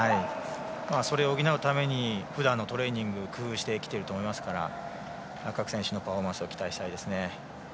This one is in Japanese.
それを補うためにふだんのトレーニングを工夫してきていると思いますから各選手のパフォーマンスを期待したいですね。